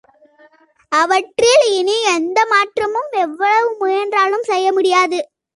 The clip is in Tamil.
அவற்றில் இனி எந்த மாற்றமும் எவ்வளவு முயன்றாலும் செய்ய முடியாது.